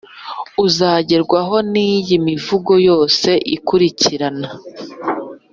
uzagerwaho n’iyi mivumo yose ikurikirana